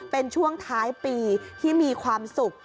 เป็นช่วงท้ายปีที่มีความสุข